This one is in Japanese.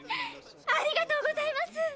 ありがとうございます。